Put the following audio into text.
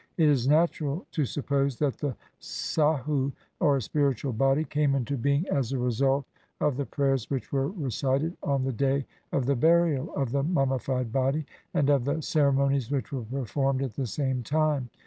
It is natural to suppose that the sahu, or spiritual body, came into being as a result of the prayers which were recited on the day of the burial of the mummified body, and of the ceremonies which were performed at the same time.